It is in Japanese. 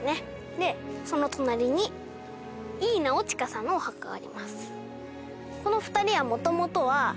でその隣に井伊直親さんのお墓があります。